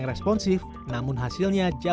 iya saat ini kita full